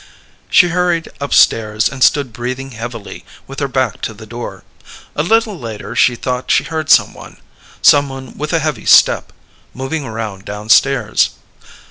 She hurried upstairs and stood breathing heavily with her back to the door. A little later she thought she heard someone someone with a heavy step moving around downstairs.